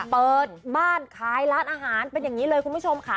เปิดบ้านขายร้านอาหารเป็นอย่างนี้เลยคุณผู้ชมค่ะ